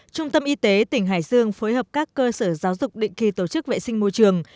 trung tâm y tế tỉnh hải dương phối hợp các cơ sở giáo dục định kỳ tổ chức vệ sinh môi trường